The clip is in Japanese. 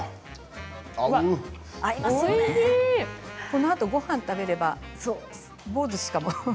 このあとごはんを食べたら棒ずしかも。